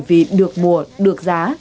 vì được bùa được giá